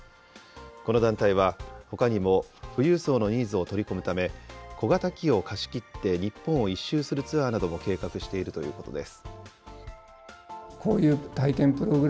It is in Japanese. この団体は、ほかにも富裕層のニーズを取り込むため、小型機を貸し切って日本を１周するツアーなども計画しているということです。